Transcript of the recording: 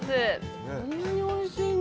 こんなにおいしいんだ。